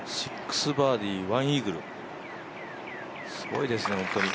６バーディー・１イーグル、すごいですね、本当に。